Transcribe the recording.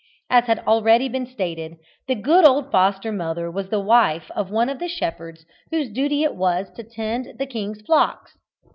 As has been already stated, the good old foster mother was the wife of one of the shepherds whose duty it was to tend the king's flocks.